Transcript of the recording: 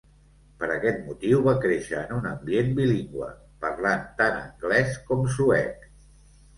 Per aquest motiu, va créixer en un ambient bilingüe, parlant tant anglès com suec.